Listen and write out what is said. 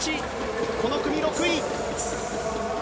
この組６位。